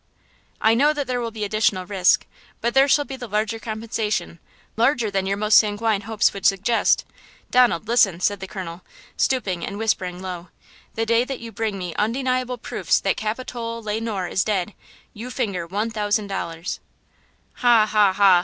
"I know that there will be additional risk, but there shall be the larger compensation, larger than your most sanguine hopes would suggest. Donald, listen!" said the colonel, stooping and whispering low–"the day that you bring me undeniable proofs that Capitola Le Noir is dead, you finger one thousand dollars!" "Ha, ha, ha!"